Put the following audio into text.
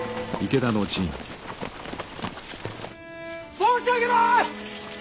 申し上げます！